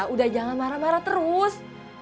udah jangan marah marah terus